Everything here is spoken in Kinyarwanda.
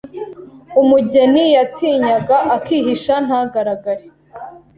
”Umugeni yatinyaga, akihisha ntagaragare,